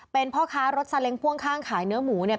เป็นพ่อค้ารถซาเล้งพ่วงข้างขายเนื้อหมูเนี่ย